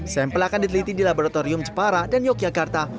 sampel akan diteliti di laboratorium jepara dan yogyakarta